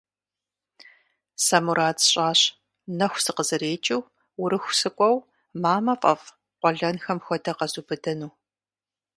Сэ мурад сщӀащ, нэху сыкъызэрекӀыу Урыху сыкӀуэу, мамэ фӀэфӀ къуэлэнхэм хуэдэ къэзубыдыну.